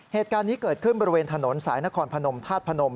เหตุการณ์นี้เกิดขึ้นบริเวณถนนสายนครพนมธาตุพนม